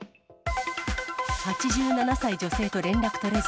８７歳女性と連絡取れず。